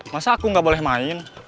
masa aku nggak boleh main